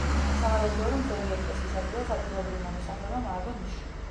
სავარაუდოა, რომ ძველი ეკლესიის ადგილას ადგილობრივმა მოსახლეობამ ააგო ნიში.